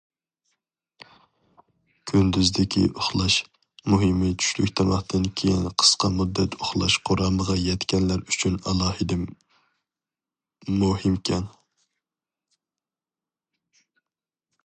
كۈندۈزدىكى ئۇخلاش، مۇھىمى چۈشلۈك تاماقتىن كېيىن قىسقا مۇددەت ئۇخلاش قۇرامىغا يەتكەنلەر ئۈچۈن ئالاھىدە مۇھىمكەن.